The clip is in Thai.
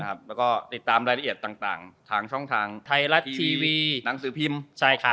แล้วก็ติดตามรายละเอียดต่างทางช่องทางไทยรัฐทีวีหนังสือพิมพ์